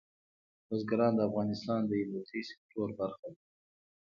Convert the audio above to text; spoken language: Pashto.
بزګان د افغانستان د انرژۍ سکتور برخه ده.